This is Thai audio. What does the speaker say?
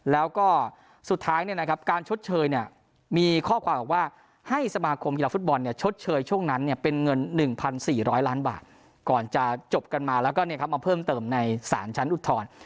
แล้วก็สุดท้ายการชดเชยเนี่ยมีข้อความบอกว่าให้สมาคมกีฬาฟุตบอลชดเชยช่วงนั้นเป็นเงิน๑๔๐๐ล้านบาทก่อนจะจบกันมาแล้วก็มาเพิ่มเติมในสารชั้นอุทธรณ์